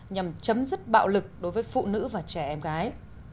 nhằm chấm dứt bạo lực đối với phụ nữ và trẻ em gái